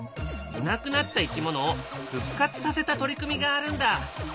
いなくなった生き物を復活させた取り組みがあるんだ。